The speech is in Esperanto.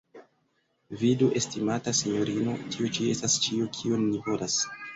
Vidu, estimata sinjorino, tio ĉi estas ĉio, kion ni volas!